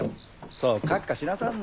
そうカッカしなさんな。